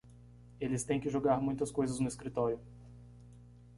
Eles têm que jogar muitas coisas no escritório